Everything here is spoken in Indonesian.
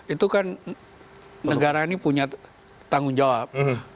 itu kan negara ini punya tanggung jawab